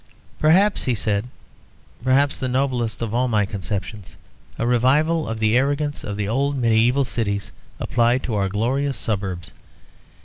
"Perhaps," he said, "perhaps the noblest of all my conceptions. A revival of the arrogance of the old mediæval cities applied to our glorious suburbs.